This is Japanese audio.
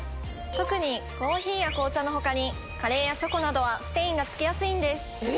特にコーヒーや紅茶のほかにカレーやチョコなどはステインがつきやすいんです。